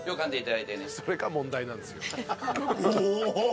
それが問題なんですよ。